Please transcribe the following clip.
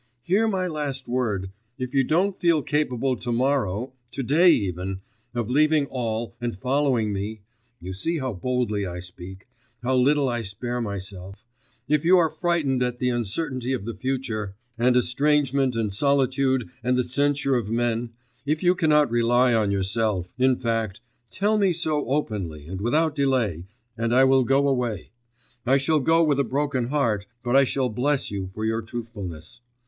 Hear my last word: if you don't feel capable to morrow, to day even, of leaving all and following me you see how boldly I speak, how little I spare myself, if you are frightened at the uncertainty of the future, and estrangement and solitude and the censure of men, if you cannot rely on yourself, in fact, tell me so openly and without delay, and I will go away; I shall go with a broken heart, but I shall bless you for your truthfulness.